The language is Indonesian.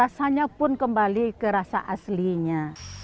dan kemudian minyak pun kembali ke rasa aslinya